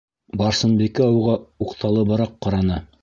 - Барсынбикә уға уҡталыбыраҡ ҡараны.